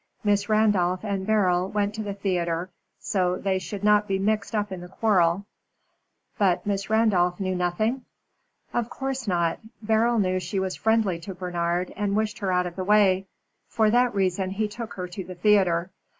Miss Randolph and Beryl went to the theatre so that they should not be mixed up in the quarrel." "But Miss Randolph knew nothing?" "Of course not. Beryl knew she was friendly to Bernard, and wished her out of the way. For that reason, he took her to the theatre.